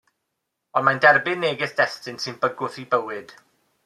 Ond mae'n derbyn neges destun sy'n bygwth ei bywyd.